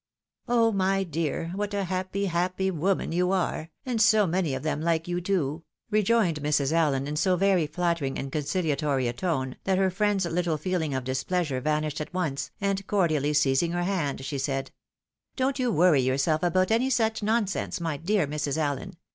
" Oh my dear, what a happy, happy, woman you are ! and so many of them like you too !" rejoined Mrs. Allen, in so very flattering and concihatory a tone, that her friend's Uttle feeling of displeasure vanished at once, and cordiaUy seizing her hand, she said, " Don't you worry yourself about any such nonsense, my dear Mrs. Allen.